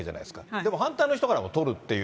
でも反対の人からも取るっていう。